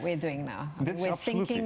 yang kita lakukan sekarang